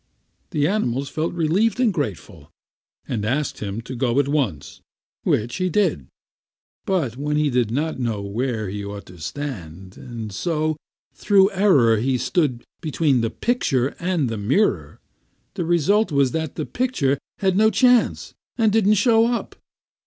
The animals felt relieved and grateful, and asked him to go at once which he did. But he did not know where he ought to stand; and so, through error, he stood between the picture and the mirror. The result was that the picture had no chance, and didn't show up.